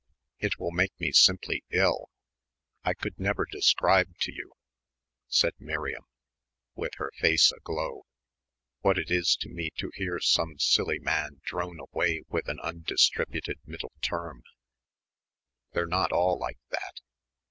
"It will make me simply ill I could never describe to you," said Miriam, with her face aglow, "what it is to me to hear some silly man drone away with an undistributed middle term." "They're not all like that."